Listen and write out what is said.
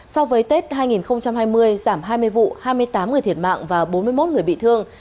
so với tết hai nghìn hai mươi giảm hai mươi vụ hai mươi tám người thiệt mạng và bốn mươi một người bị thương